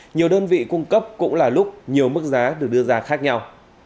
nhiều đơn vị cung cấp cũng là lúc nhiều mức giá được đưa ra khác nhau